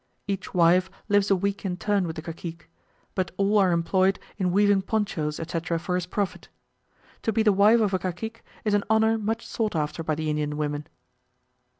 Each wife lives a week in turn with the cacique; but all are employed in weaving ponchos, etc., for his profit. To be the wife of a cacique, is an honour much sought after by the Indian women.